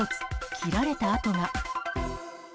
切られた跡が。